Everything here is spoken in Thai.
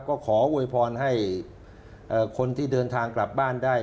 ก็ขอโวยพรให้คนที่เดินทางกลับบ้านได้